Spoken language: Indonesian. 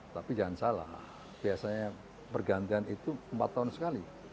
tapi jangan salah biasanya pergantian itu empat tahun sekali